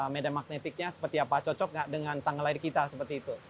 medan magnetiknya seperti apa cocok nggak dengan tanggal lahir kita seperti itu